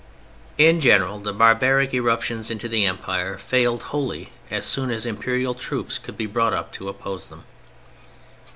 In general, the barbaric eruptions into the Empire failed wholly as soon as Imperial troops could be brought up to oppose them.